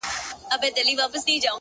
هغه تر اوسه د دوو سترگو په تعبير ورک دی;